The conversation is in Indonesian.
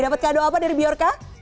dapat kado apa dari biorca